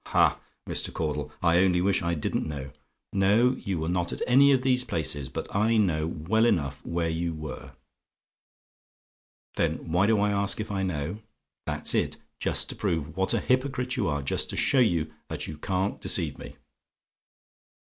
"Ha, Mr. Caudle! I only wish I didn't know. No; you were not at any of these places; but I know well enough where you were. "THEN WHY DO I ASK IF I KNOW? "That's it: just to prove what a hypocrite you are: just to show you that you can't deceive me.